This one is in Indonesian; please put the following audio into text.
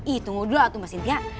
ih tunggu dulu aku mbak sintia